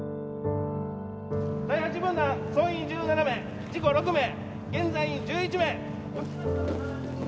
１７名事故６名、現在１１名。